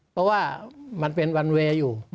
เพราะว่ามันเป็นวันเวย์อยู่